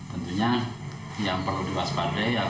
tentunya yang perlu dipasang pada